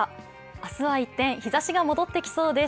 明日は一転日ざしが戻ってきそうです。